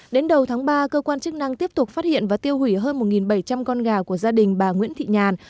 đến đầu tháng ba cơ quan chức năng tiếp tục phát hiện và tiêu hủy hơn một bảy trăm linh con gà của gia đình bà nguyễn thị nhàn